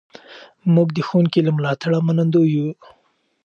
موږ د ښوونکي له ملاتړه منندوی یو.